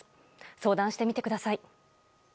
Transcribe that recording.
相談してみてください。